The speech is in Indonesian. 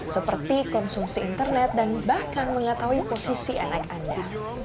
seperti konsumsi internet dan bahkan mengetahui posisi anak anda